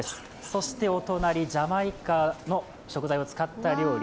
そしてお隣、ジャマイカの食材を使った料理。